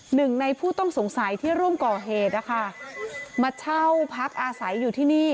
หนึ่งในผู้ต้องสงสัยที่ร่วมก่อเหตุนะคะมาเช่าพักอาศัยอยู่ที่นี่